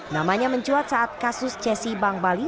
namanya mencuat saat kasus cesi bank bali